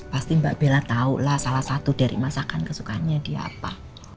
pasti mbak bella tahu lah salah satu dari masakan kesukaannya dia apa